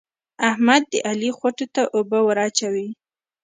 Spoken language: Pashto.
احمد د علي خوټو ته اوبه ور اچوي.